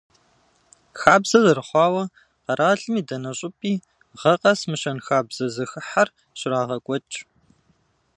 Хабзэ зэрыхъуауэ, къэралым и дэнэ щӀыпӀи гъэ къэс мы щэнхабзэ зэхыхьэр щрагъэкӀуэкӀ.